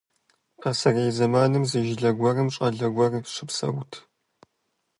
Пасэрей зэманым зы жылэ гуэрым щӀалэ гуэр щыпсэурт.